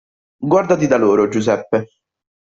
Guardati da loro, Giuseppe!